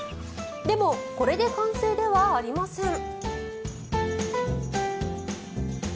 でもこれで完成ではありません。